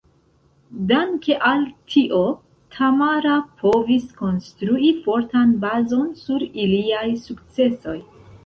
Danke al tio, Tamara povis konstrui fortan bazon sur iliaj sukcesoj.